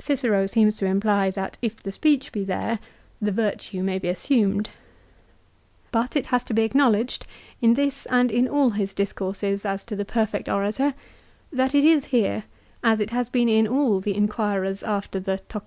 Cicero seems to imply that if the speech be there, the virtue may be assumed. But it has to be acknowledged, in this and in all his discourses as to the perfect orator, that it is here as it has been in all the inquirers after the TO rca\6v.